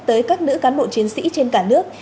tới các nữ cán bộ chiến sĩ trên cả nước